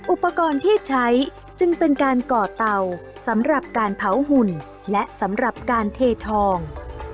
อุปกรณ์ที่ใช้จึงเป็นการก่อเตาสำหรับการเผาหุ่นและสำหรับการเททอง